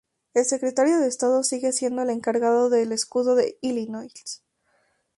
El Secretario de Estado sigue siendo el encargado del Escudo de Illinois.